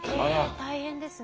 え大変ですね。